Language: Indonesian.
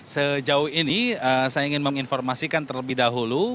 sejauh ini saya ingin menginformasikan terlebih dahulu